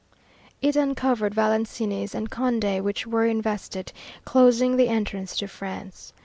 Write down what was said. It uncovered Valenciennes and Condé, which were invested, closing the entrance to France.